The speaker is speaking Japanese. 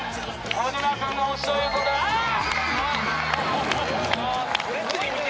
小島君が推しということであっ！